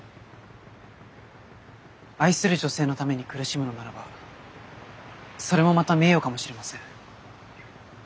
愛する女性のために苦しむのならばそれもまた名誉かもしれません。